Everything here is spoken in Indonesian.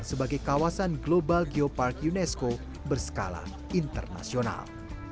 sebagai kawasan global geopark unesco berskala internasional